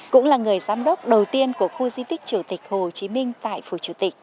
cũng là người giám đốc đầu tiên của khu di tích chủ tịch hồ chí minh tại phủ chủ tịch